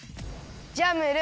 じゃあムール！